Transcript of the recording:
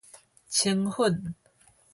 清粉